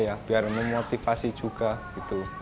saya lebih terbuka saja terus lebih jadi ke keumuman